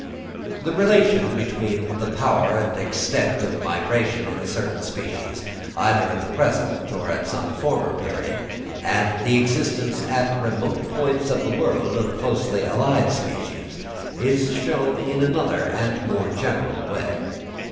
The relation between the power and extent of migration in certain species, either at the present or at some former period, and the existence at remote points of the world of closely allied species, is shown in another and more general way.